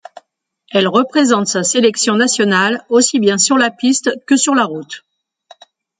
Elle représente sa sélection nationale aussi bien sur la piste que sur la route.